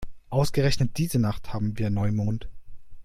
Ausgerechnet diese Nacht haben wir Neumond.